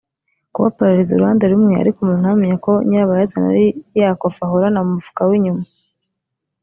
kuba pararize uruhande rumwe ariko umuntu ntamenye ko nyirabayazana ari ya kofi ahorana mu mufuka w’inyuma